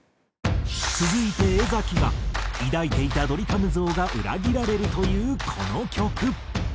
続いて江が抱いていたドリカム像が裏切られるというこの曲。